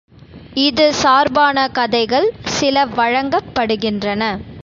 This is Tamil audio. இது சார்பான கதைகள் சில வழங்கப் படுகின்றன.